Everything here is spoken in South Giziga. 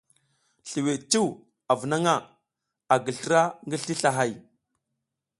Sliwiɗ cuw avunaƞʼha, a gi slra ngi sli slahay.